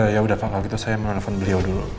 ya udah kalau gitu saya menelpon beliau dulu